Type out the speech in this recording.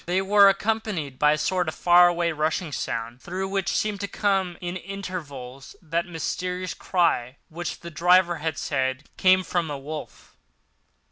They were accompanied by a sort of far away rushing sound, through which seemed to come at intervals that mysterious cry which the driver had said came from a wolf.